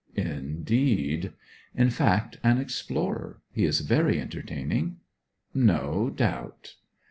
'Indeed.' 'In fact an explorer. He is very entertaining.' 'No doubt.'